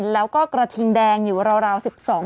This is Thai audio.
แล้วก็กระทิงแดงอยู่ราว๑๒บาท